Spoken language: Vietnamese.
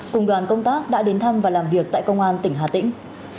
cùng đoàn công tác đã đến thăm và làm việc tại công an tỉnh hà tĩnh